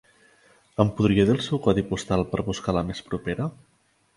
Em podria dir el seu codi postal per buscar la més propera?